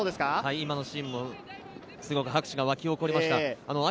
今のシーンも拍手が沸き起こりました。